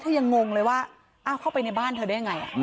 ยังงงเลยว่าเข้าไปในบ้านเธอได้ยังไง